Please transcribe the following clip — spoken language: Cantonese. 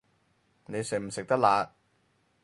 你食唔食得辣